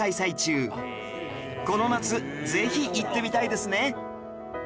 この夏ぜひ行ってみたいですね